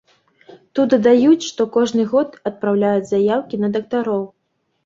Тут дадаюць, што кожны год апраўляюць заяўкі на дактароў.